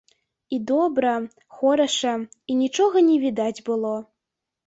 І добра, хораша, і нічога не відаць было.